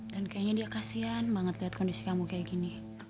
dan kayaknya dia kasian banget liat kondisi kamu kayak gini